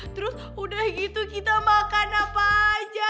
terus udah gitu kita makan apa aja